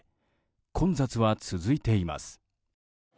混雑は続いています。